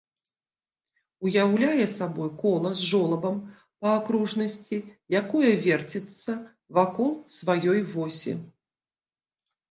Уяўляе сабой кола з жолабам па акружнасці, якое верціцца вакол сваёй восі.